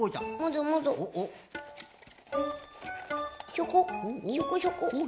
ひょこひょこひょこ。